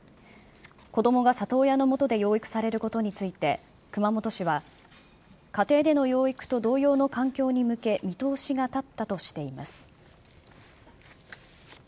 子どもが里親の元で養育されることについて、熊本市は、家庭での養育と同様の環境に向け、見通しが立ったとしています。